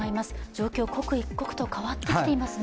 状況は刻一刻と変わってきていますね。